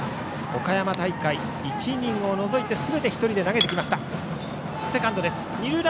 岡山大会、１イニングを除いてすべて１人で投げてきました。